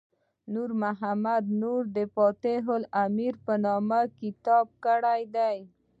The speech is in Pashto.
نور محمد نوري تحفة الامیر په نامه کتاب کړی دی.